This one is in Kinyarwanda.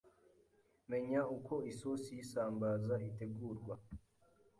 menya uko isosi y’isambaza itegurwa